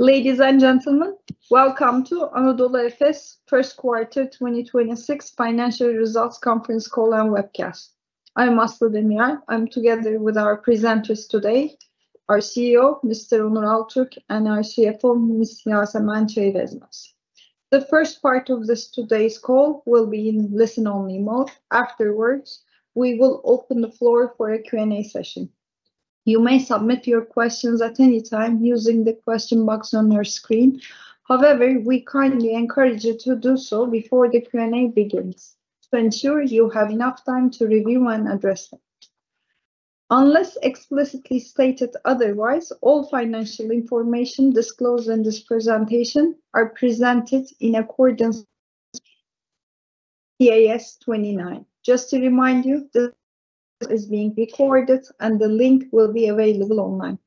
Ladies and gentlemen, welcome to Anadolu Efes first quarter 2026 financial results conference call and webcast. I'm Aslı Demirel. I'm together with our presenters today, our CEO, Mr. Onur Altürk, and our CFO, Ms. Yasemen Çayırezmez. The first part of this today's call will be in listen-only mode. Afterwards, we will open the floor for a Q&A session. You may submit your questions at any time using the question box on your screen. However, we kindly encourage you to do so before the Q&A begins to ensure you have enough time to review and address them. Unless explicitly stated otherwise, all financial information disclosed in this presentation are presented in accordance IAS 29. Just to remind you, this is being recorded, and the link will be available online.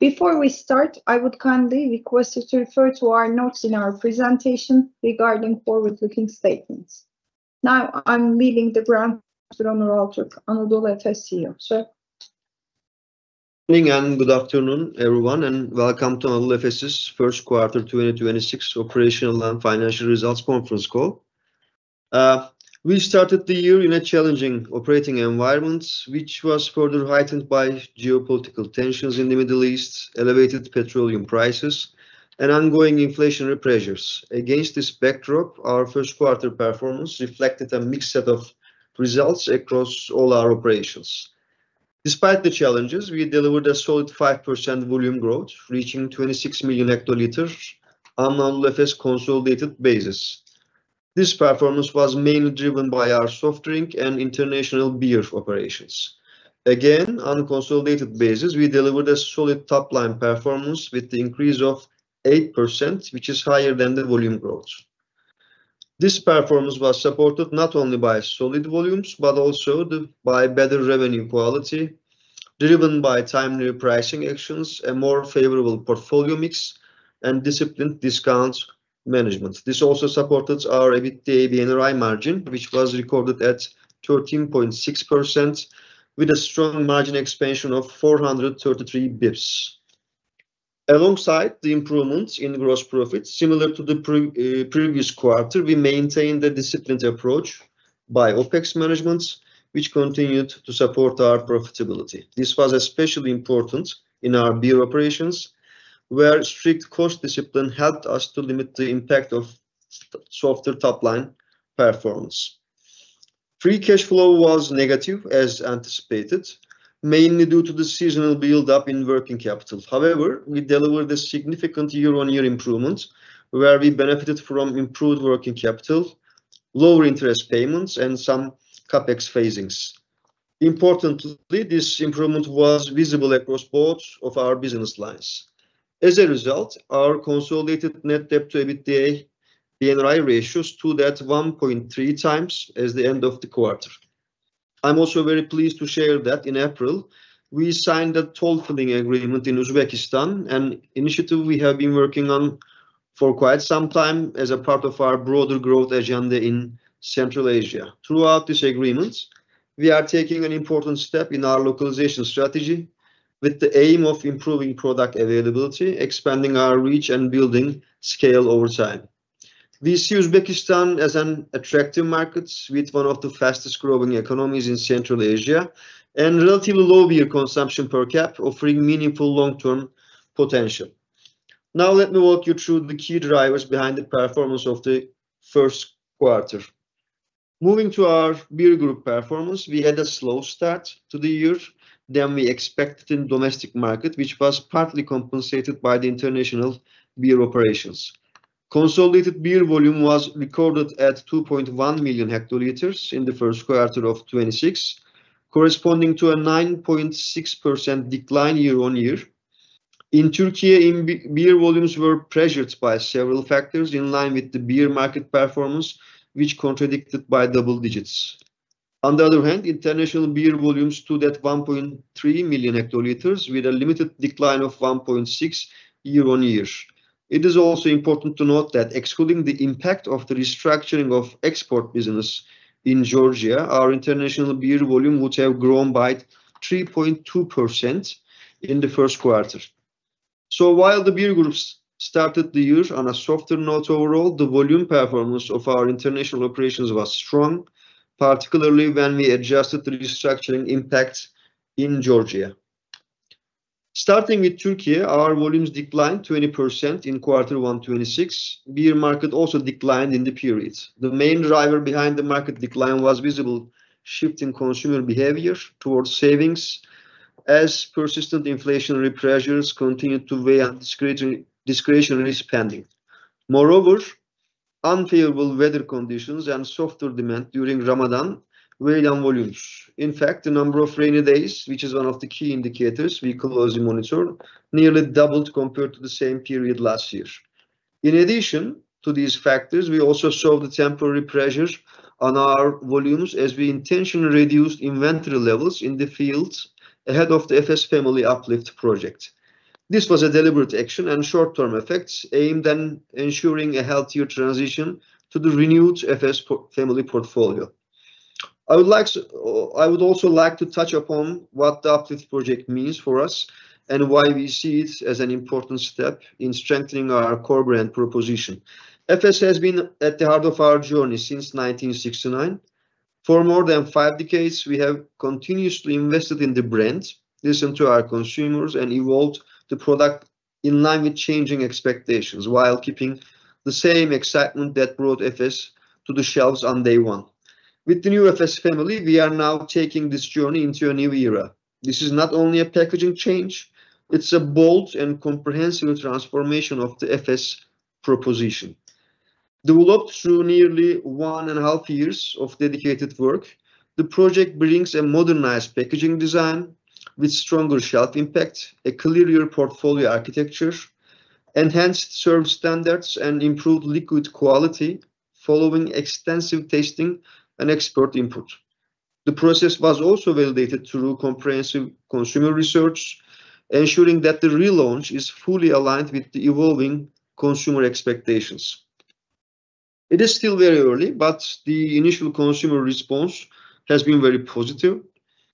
Before we start, I would kindly request you to refer to our notes in our presentation regarding forward-looking statements. I'm leaving the ground to Onur Altürk, Anadolu Efes CEO. Sir. Good evening, and good afternoon, everyone, and welcome to Anadolu Efes first quarter 2026 operational and financial results conference call. We started the year in a challenging operating environment which was further heightened by geopolitical tensions in the Middle East, elevated petroleum prices, and ongoing inflationary pressures. Against this backdrop, our first quarter performance reflected a mixed set of results across all our operations. Despite the challenges, we delivered a solid 5% volume growth, reaching 26 million hL on Anadolu Efes consolidated basis. This performance was mainly driven by our soft drink and international beer operations. Again, on a consolidated basis, we delivered a solid top-line performance with the increase of 8%, which is higher than the volume growth. This performance was supported not only by solid volumes, but also by better revenue quality, driven by timely pricing actions, a more favorable portfolio mix, and disciplined discount management. This also supported our EBITDA and ROI margin, which was recorded at 13.6% with a strong margin expansion of 433 basis points. Alongside the improvements in gross profits, similar to the previous quarter, we maintained a disciplined approach by OpEx management, which continued to support our profitability. This was especially important in our beer operations, where strict cost discipline helped us to limit the impact of softer top-line performance. Free cash flow was negative as anticipated, mainly due to the seasonal build-up in working capital. However, we delivered a significant year-on-year improvement where we benefited from improved working capital, lower interest payments, and some CapEx phasings. Importantly, this improvement was visible across both of our business lines. As a result, our consolidated net debt-to-EBITDA and ROI ratios stood at 1.3x at the end of the quarter. I'm also very pleased to share that in April we signed a toll-filling agreement in Uzbekistan, an initiative we have been working on for quite some time as a part of our broader growth agenda in Central Asia. Throughout this agreement, we are taking an important step in our localization strategy with the aim of improving product availability, expanding our reach, and building scale over time. We see Uzbekistan as an attractive market with one of the fastest-growing economies in Central Asia and relatively low beer consumption per cap, offering meaningful long-term potential. Now let me walk you through the key drivers behind the performance of the first quarter. Moving to our Beer Group performance, we had a slow start to the year than we expected in domestic market, which was partly compensated by the international beer operations. Consolidated beer volume was recorded at 2.1 million hL in the first quarter of 2026, corresponding to a 9.6% decline year-on-year. In Turkey, beer volumes were pressured by several factors in line with the beer market performance which contracted by double digits. On the other hand, international beer volumes stood at 1.3 million hL with a limited decline of 1.6% year-on-year. It is also important to note that excluding the impact of the restructuring of export business in Georgia, our international beer volume would have grown by 3.2% in the first quarter. While the Beer Group started the year on a softer note overall, the volume performance of our international operations was strong, particularly when we adjusted the restructuring impact in Georgia. Starting with Turkey, our volumes declined 20% in Q1 2026. Beer market also declined in the period. The main driver behind the market decline was visible shift in consumer behavior towards savings as persistent inflationary pressures continued to weigh on discretionary spending. Moreover, unfavorable weather conditions and softer demand during Ramadan weighed on volumes. In fact, the number of rainy days, which is one of the key indicators we closely monitor, nearly doubled compared to the same period last year. In addition to these factors, we also saw the temporary pressures on our volumes as we intentionally reduced inventory levels in the fields ahead of the Efes Family Uplift project. This was a deliberate action and short-term effects aimed at ensuring a healthier transition to the renewed Efes Family portfolio. I would also like to touch upon what the Uplift project means for us and why we see it as an important step in strengthening our core brand proposition. Efes has been at the heart of our journey since 1969. For more than five decades, we have continuously invested in the brand, listened to our consumers and evolved the product in line with changing expectations while keeping the same excitement that brought Efes to the shelves on day one. With the new Efes Family, we are now taking this journey into a new era. This is not only a packaging change, it's a bold and comprehensive transformation of the Efes proposition. Developed through nearly 1.5 years of dedicated work, the project brings a modernized packaging design with stronger shelf impact, a clearer portfolio architecture, enhanced serve standards and improved liquid quality following extensive testing and expert input. The process was also validated through comprehensive consumer research, ensuring that the relaunch is fully aligned with the evolving consumer expectations. It is still very early, but the initial consumer response has been very positive,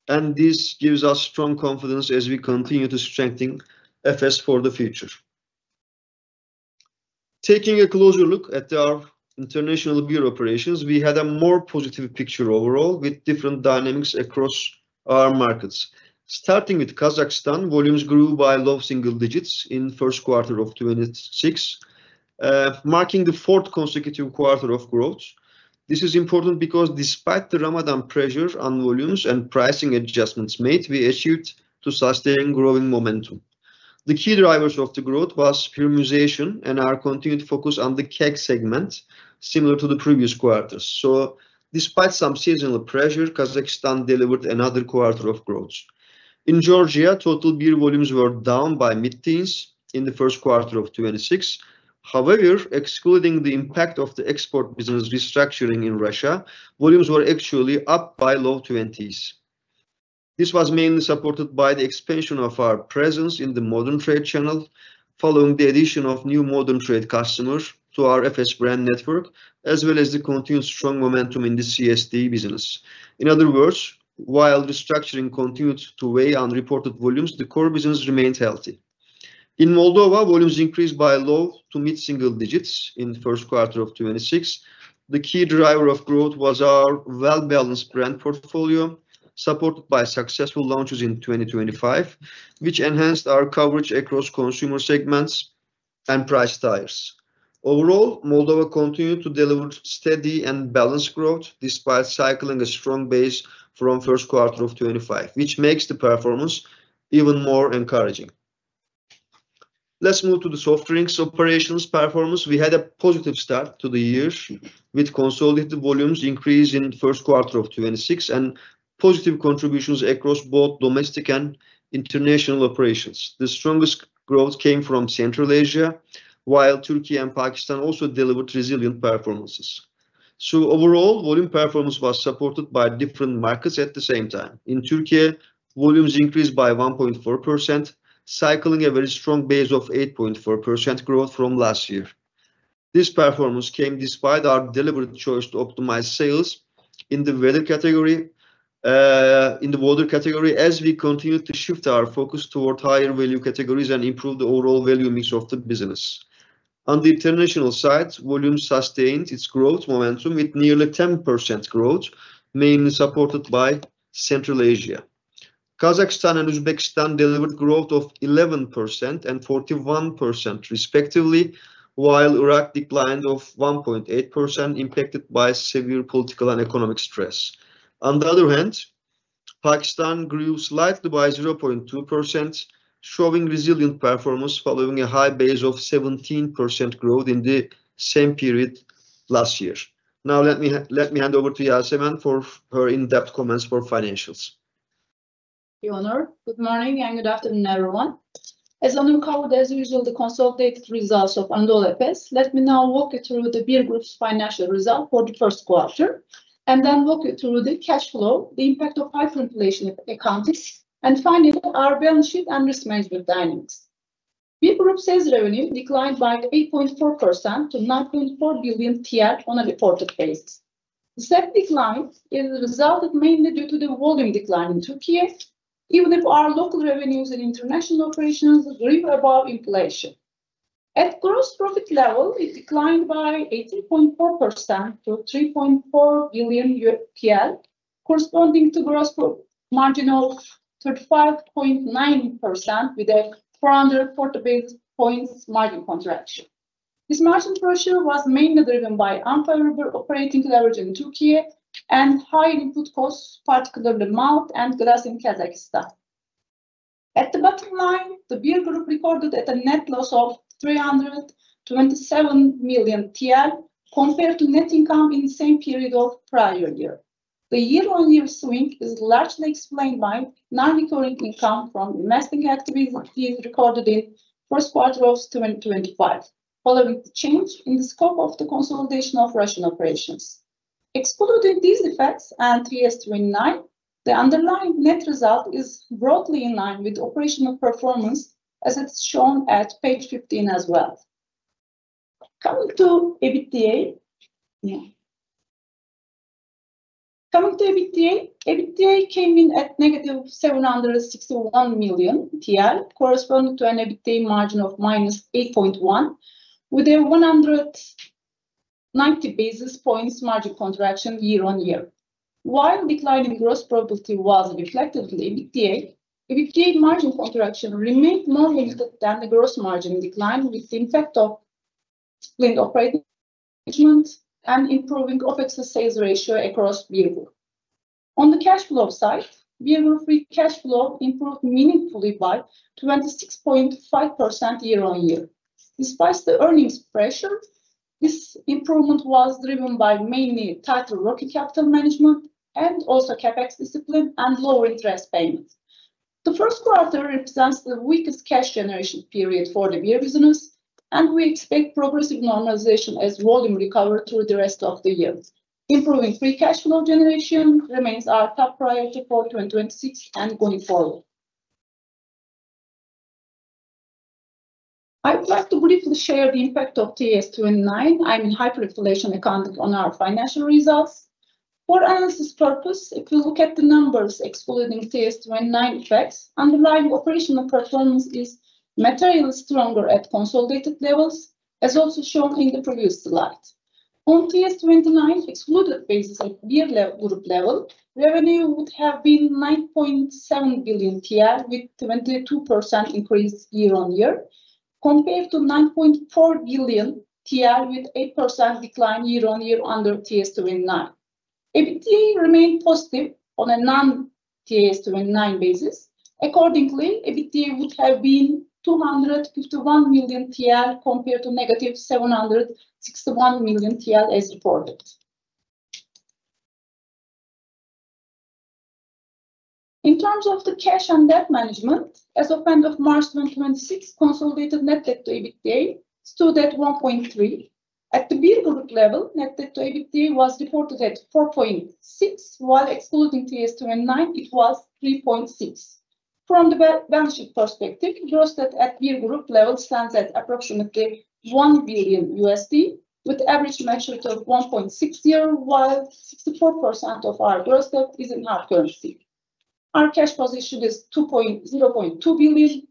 and this gives us strong confidence as we continue to strengthen Efes for the future. Taking a closer look at our international beer operations, we had a more positive picture overall, with different dynamics across our markets. Starting with Kazakhstan, volumes grew by low single digits in first quarter of 2026, marking the fourth consecutive quarter of growth. This is important because despite the Ramadan pressure on volumes and pricing adjustments made, we issued to sustain growing momentum. The key drivers of the growth was premiumization and our continued focus on the keg segment, similar to the previous quarters. Despite some seasonal pressure, Kazakhstan delivered another quarter of growth. In Georgia, total beer volumes were down by mid-10s in the first quarter of 2026. Excluding the impact of the export business restructuring in Russia, volumes were actually up by low 20s. This was mainly supported by the expansion of our presence in the modern trade channel following the addition of new modern trade customers to our Efes brand network, as well as the continued strong momentum in the CSD business. In other words, while restructuring continued to weigh on reported volumes, the core business remained healthy. In Moldova, volumes increased by low to mid-single digits in the first quarter of 2026. The key driver of growth was our well-balanced brand portfolio, supported by successful launches in 2025, which enhanced our coverage across consumer segments and price tiers. Moldova continued to deliver steady and balanced growth despite cycling a strong base from first quarter of 2025, which makes the performance even more encouraging. Let's move to the soft drinks operations performance. We had a positive start to the year with consolidated volumes increase in the first quarter of 2026 and positive contributions across both domestic and international operations. The strongest growth came from Central Asia, while Turkey and Pakistan also delivered resilient performances. Overall, volume performance was supported by different markets at the same time. In Turkey, volumes increased by 1.4%, cycling a very strong base of 8.4% growth from last year. This performance came despite our deliberate choice to optimize sales in the water category as we continued to shift our focus toward higher value categories and improve the overall value mix of the business. On the international side, volume sustained its growth momentum with nearly 10% growth, mainly supported by Central Asia. Kazakhstan and Uzbekistan delivered growth of 11% and 41% respectively, while Iraq declined of 1.8% impacted by severe political and economic stress. On the other hand, Pakistan grew slightly by 0.2%, showing resilient performance following a high base of 17% growth in the same period last year. Let me hand over to Yasemen for her in-depth comments for financials. Thank you, Onur, good morning and good afternoon, everyone. As Onur covered, as usual, the consolidated results of Anadolu Efes, let me now walk you through the Beer Group's financial result for the 1st quarter and then walk you through the cash flow, the impact of hyperinflation accounting, and finally, our balance sheet and risk management dynamics. Beer Group sales revenue declined by 8.4% to 9.4 billion on a reported basis. The sales decline is the result of mainly due to the volume decline in Turkey, even if our local revenues and international operations grew above inflation. At gross profit level, it declined by 18.4% to 3.4 billion, corresponding to gross profit margin of 35.9% with a 440 basis points margin contraction. This margin pressure was mainly driven by unfavorable operating leverage in Turkey and high input costs, particularly malt and glass in Kazakhstan. At the bottom line, the Beer Group reported at a net loss of 327 million TL compared to net income in the same period of prior year. The year-on-year swing is largely explained by non-recurring income from investing activity we recorded in 1st quarter of 2025, following the change in the scope of the consolidation of Russian operations. Excluding these effects and TAS 29, the underlying net result is broadly in line with operational performance as it is shown at page 15 as well. Coming to EBITDA. EBITDA came in at -761 million TL, corresponding to an EBITDA margin of -8.1, with a 190 basis points margin contraction year-on-year. While declining gross profitability was reflected in EBITDA margin contraction remained more limited than the gross margin decline with the impact of disciplined operating management and improving OpEx-to-sales ratio across Beer Group. On the cash flow side, Beer Group free cash flow improved meaningfully by 26.5% year-on-year. Despite the earnings pressure, this improvement was driven by mainly tighter working capital management, and also CapEx discipline, and lower interest payments. The first quarter represents the weakest cash generation period for the beer business, and we expect progressive normalization as volume recover through the rest of the year. Improving free cash flow generation remains our top priority for 2026 and going forward. I would like to briefly share the impact of TAS 29, I mean hyperinflation accounted on our financial results. For analysis purpose, if you look at the numbers excluding TAS 29 effects, underlying operational performance is materially stronger at consolidated levels, as also shown in the previous slide. On TAS 29 excluded basis at Beer Group level, revenue would have been 9.7 billion TL with 22% increase year-over-year, compared to 9.4 billion TL with 8% decline year-over-year under TAS 29. EBITDA remained positive on a non-TAS 29 basis. Accordingly, EBITDA would have been 251 million TL compared to negative 761 million TL as reported. In terms of the cash and debt management, as of end of March 2026, consolidated net debt-to-EBITDA stood at 1.3. At the Beer Group level, net debt-to-EBITDA was reported at 4.6, while excluding TAS 29 it was 3.6. From the balance sheet perspective, gross debt at Beer Group level stands at approximately $1 billion, with average maturity of 1.6 years, while 64% of our gross debt is in hard currency. Our cash position is $2.2 billion,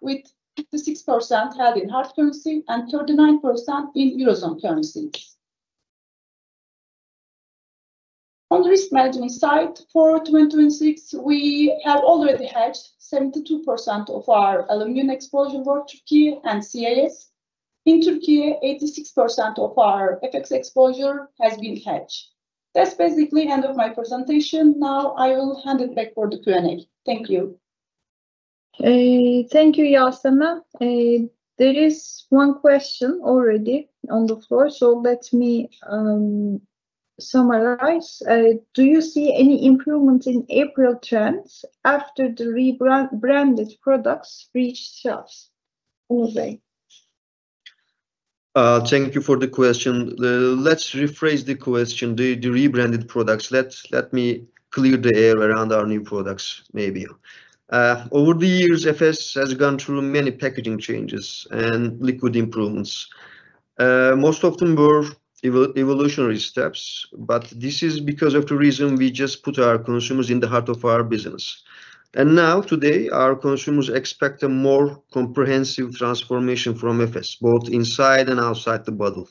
with 56% held in hard currency and 39% in Eurozone currencies. On the risk management side, for 2026 we have already hedged 72% of our aluminum exposure for Turkey and CIS. In Turkey, 86% of our FX exposure has been hedged. That's basically end of my presentation. I will hand it back for the Q&A. Thank you. Thank you, Yasemen. There is one question already on the floor, so let me summarize. Do you see any improvement in April trends after the branded products reach shelves, Onur? Thank you for the question. Let's rephrase the question. Rebranded products. Let me clear the air around our new products maybe. Over the years, Efes has gone through many packaging changes and liquid improvements. Most of them were evolutionary steps, but this is because of the reason we just put our consumers in the heart of our business. Now, today, our consumers expect a more comprehensive transformation from Efes, both inside and outside the bottle.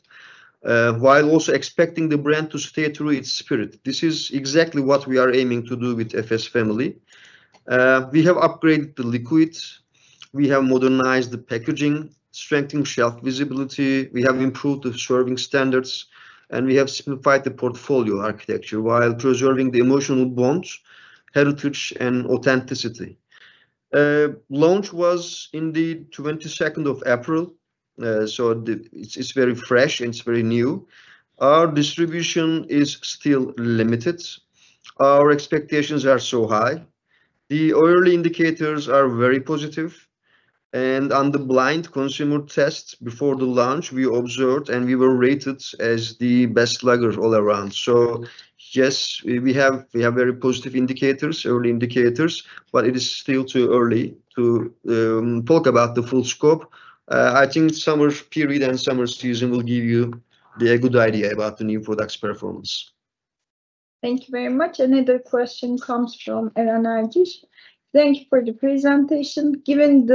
While also expecting the brand to stay true its spirit. This is exactly what we are aiming to do with Efes Family. We have upgraded the liquids, we have modernized the packaging, strengthening shelf visibility, we have improved the serving standards, and we have simplified the portfolio architecture while preserving the emotional bonds, heritage, and authenticity. Launch was in the April 22nd, it's very fresh and it's very new. Our distribution is still limited. Our expectations are so high. The early indicators are very positive. On the blind consumer test before the launch, we observed and we were rated as the best lagers all around. Yes, we have very positive indicators, early indicators, but it is still too early to talk about the full scope. I think summer period and summer season will give you a good idea about the new products' performance. Thank you very much. Another question comes from Eran Erkish. Thank you for the presentation. Given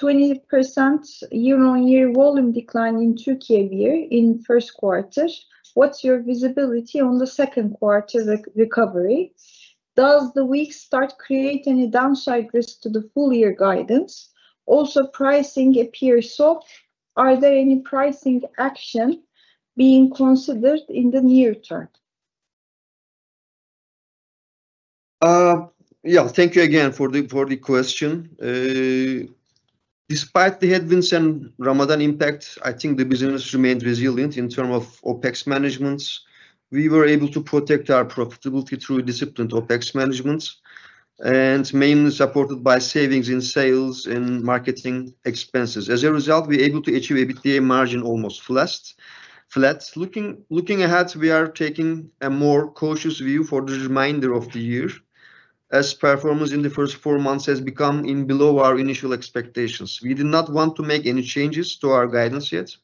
the 20% year-on-year volume decline in Turkey beer in first quarter, what's your visibility on the second quarter recovery? Does the weak start create any downside risk to the full-year guidance? Pricing appears soft. Are there any pricing action being considered in the near term? Thank you again for the, for the question. Despite the headwinds and Ramadan impact, I think the business remained resilient in term of OpEx management. We were able to protect our profitability through disciplined OpEx management, and mainly supported by savings in sales, in marketing expenses. As a result, we're able to achieve EBITDA margin almost flat. Looking ahead, we are taking a more cautious view for the remainder of the year, as performance in the first four months has come in below our initial expectations. We do not want to make any changes to our guidance yet.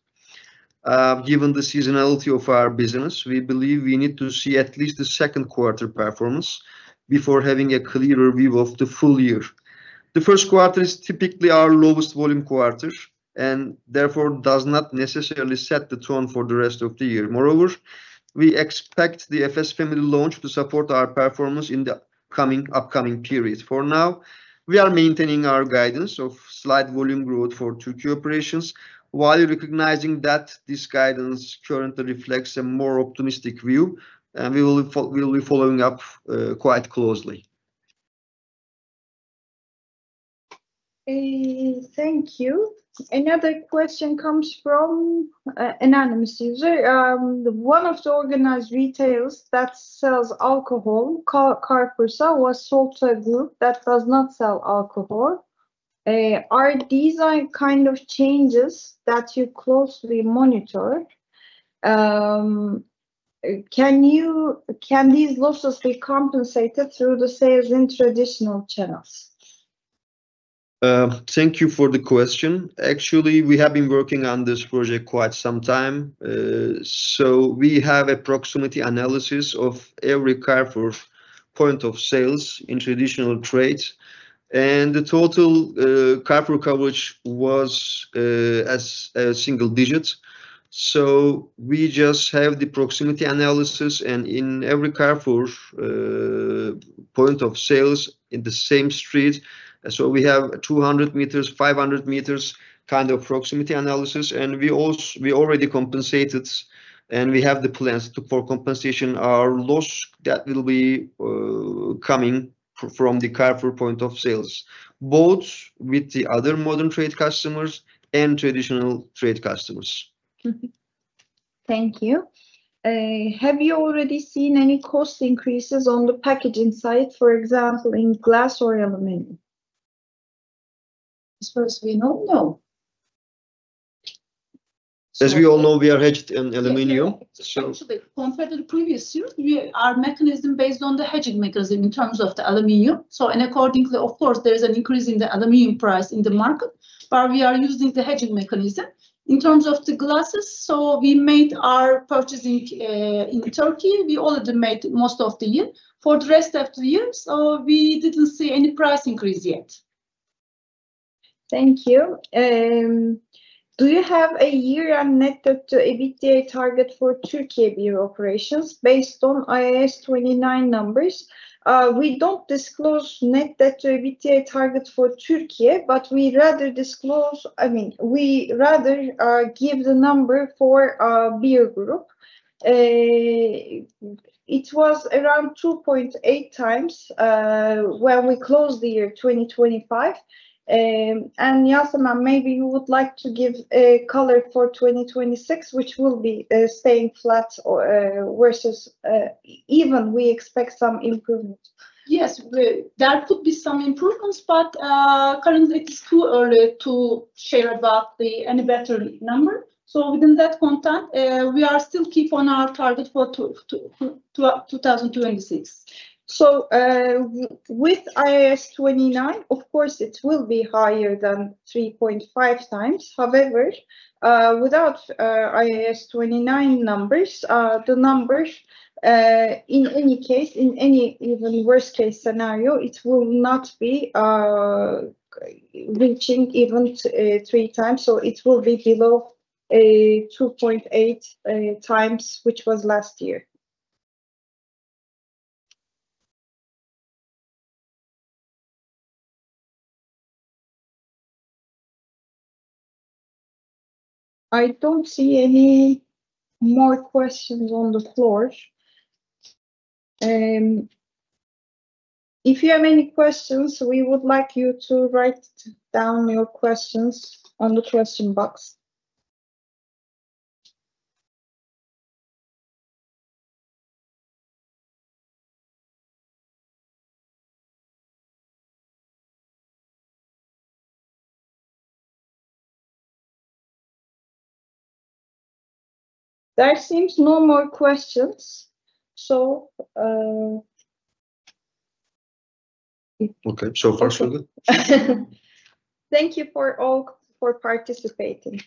Given the seasonality of our business, we believe we need to see at least the 2Q performance before having a clearer view of the full year. The first quarter is typically our lowest volume quarter and therefore does not necessarily set the tone for the rest of the year. Moreover, we expect the Efes Family launch to support our performance in the upcoming period. For now, we are maintaining our guidance of slight volume growth for 2Q operations, while recognizing that this guidance currently reflects a more optimistic view, and we will be following up quite closely. Thank you. Another question comes from anonymous user. One of the organized retailers that sells alcohol, Carrefour, was sold to a group that does not sell alcohol. Are these kind of changes that you closely monitor? Can these losses be compensated through the sales in traditional channels? Thank you for the question. Actually, we have been working on this project quite some time. We have a proximity analysis of every Carrefour point of sales in traditional trades. The total Carrefour coverage was as single digits. We just have the proximity analysis, and in every Carrefour point of sales in the same street. We have 200 m, 500 m kind of proximity analysis, and we already compensated, and we have the plans for compensation our loss that will be coming from the Carrefour point of sales, both with the other modern trade customers and traditional trade customers. Thank you. Have you already seen any cost increases on the packaging side, for example, in glass or aluminum? As far as we know, no. As we all know, we are hedged in aluminum. Compared to the previous year, our mechanism based on the hedging mechanism in terms of the aluminum. Accordingly, of course, there is an increase in the aluminum price in the market, but we are using the hedging mechanism. In terms of the glasses, we made our purchasing in Turkey. We already made most of the year. For the rest of the year, we didn't see any price increase yet. Thank you. Do you have a year-end net debt-to-EBITDA target for Turkey beer operations based on IAS 29 numbers? We don't disclose net debt-to-EBITDA target for Turkey, but we rather disclose I mean, we rather give the number for Beer Group. It was around 2.8x when we closed the year 2025. Yasemen, maybe you would like to give a color for 2026, which will be staying flat or versus even we expect some improvement. Yes. That could be some improvements, currently it's too early to share about the any better number. Within that context, we are still keep on our target for 2026. With IAS 29, of course it will be higher than 3.5x. Without IAS 29 numbers, the numbers in any case, in any even worst case scenario, it will not be reaching even 3x, it will be below 2.8x, which was last year. I don't see any more questions on the floor. If you have any questions, we would like you to write down your questions on the question box. There seems no more questions. Okay. So far, so good. Thank you for all for participating.